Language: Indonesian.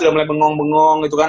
sudah mulai bengong bengong gitu kan